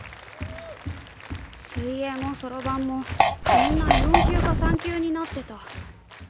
水泳もそろばんもみんな４級か３級になってた。